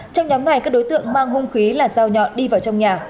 trong nhóm này các đối tượng mang hông khí là rau nhọn đi vào trong nhà